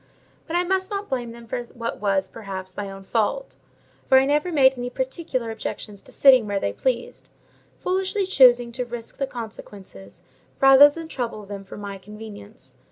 But I must not blame them for what was, perhaps, my own fault; for I never made any particular objections to sitting where they pleased; foolishly choosing to risk the consequences, rather than trouble them for my convenience.